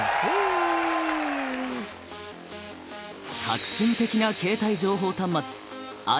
革新的な携帯情報端末